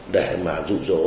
để mà rủ rỗ